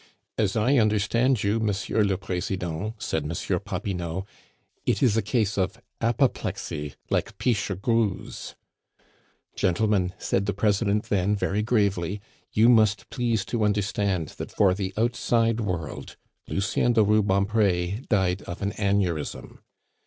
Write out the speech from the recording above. "'As I understand you, Monsieur le President,' said Monsieur Popinot, 'it is a case of apoplexy like Pichegru's.' "'Gentlemen,' said the President then, very gravely, 'you must please to understand that for the outside world Lucien de Rubempre died of an aneurism.